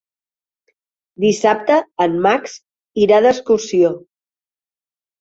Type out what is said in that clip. Dissabte en Max irà d'excursió.